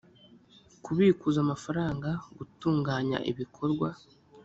kubikuza amafaranga gutunganya ibikorwa